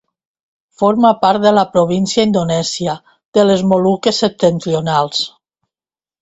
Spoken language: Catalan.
Forma part de la província indonèsia de les Moluques Septentrionals.